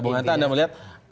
bung hanta anda melihat